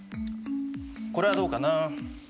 これはどうかな？